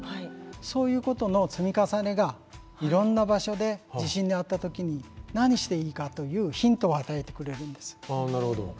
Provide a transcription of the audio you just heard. そういうことの積み重ねがいろんな場所で地震に遭った時に何していいかというヒントを与えてくれるんですよ。